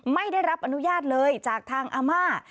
ไม่ได้รับอนุญาตเลยจากทางอาม่า